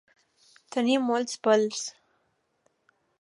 Tenir molts pèls.